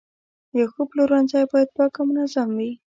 یو ښه پلورنځی باید پاک او منظم وي.